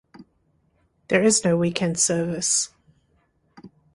There is no weekend service.